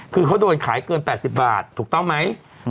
คือเขาโดนขายเกินแปดสิบบาทถูกต้องไหมอืม